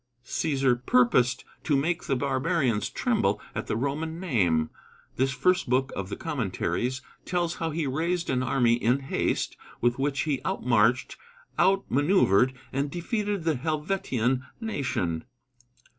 Cæsar purposed to make the barbarians tremble at the Roman name. This first book of the Commentaries tells how he raised an army in haste, with which he outmarched, outmanoeuvred and defeated the Helvetian nation.